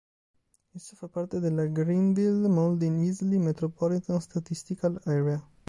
Essa fa parte della Greenville–Mauldin–Easley Metropolitan Statistical Area.